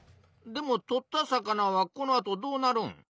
でも取った魚はこのあとどうなるん？